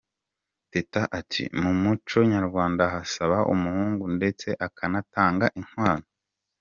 Teta ati: "Mu muco nyarwanda hasaba umuhungu ndetse akanatanga inkwano.